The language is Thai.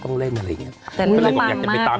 ต้องเล่นอะไรอย่างเงี้ยก็เลยบอกอยากจะไปตาม